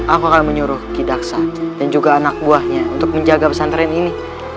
aku akan menyuruh kidaksa dan juga anak buahnya untuk menjaga pesantren ini